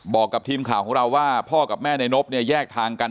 บอกกับทีมข่าวของเราว่าพ่อกับแม่ในนบเนี่ยแยกทางกัน